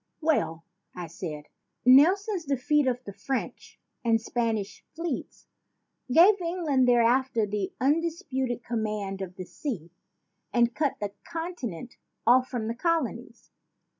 "Well," I said, " Nelson's defeat of the French and Spanish fleets gave England thereafter the undisputed command of the sea and cut the 138 ON THE LENGTH OF CLEOPATRA'S NOSE Continent off from the colonies.